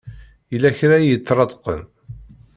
Yella kra i iṭṭreḍqen.